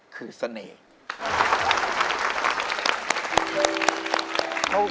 คือเสน่ห์